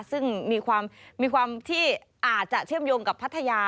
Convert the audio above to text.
ซึ่งมีความที่อาจจะเชื่อมโยงกับพัทยา